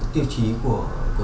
tiêu chí của